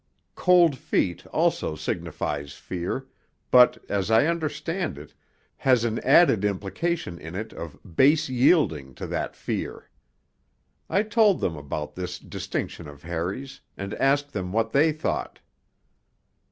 'Cold feet' also signifies fear, but, as I understand it, has an added implication in it of base yielding to that fear. I told them about this distinction of Harry's, and asked them what they thought.